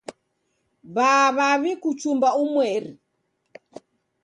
Baa w'awi kuchumba umweri.